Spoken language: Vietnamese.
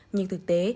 nhưng thực tế